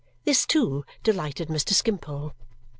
This, too, delighted Mr. Skimpole.